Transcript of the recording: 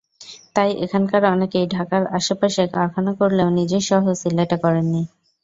তাই এখানকার অনেকেই ঢাকার আশপাশে কারখানা করলেও নিজের শহর সিলেটে করেননি।